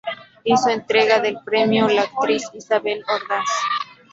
Hizo entrega del premio la actriz Isabel Ordaz.